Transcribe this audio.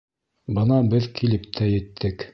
— Бына беҙ килеп тә еттек.